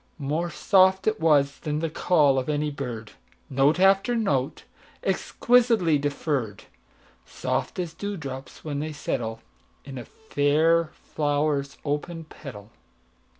More soft it was than call of any bird, Note after note, exquisitely deferr'd, Soft as dew drops when they settleIn a fair flower's open petal.